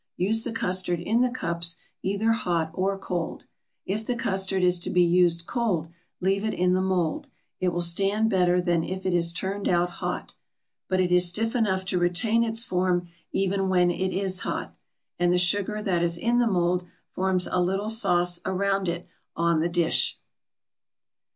Use the custard in the cups either hot or cold. If the custard is to be used cold leave it in the mould; it will stand better than if it is turned out hot. But it is stiff enough to retain its form even when it is hot. And the sugar that is in the mould forms a little sauce around it on the dish.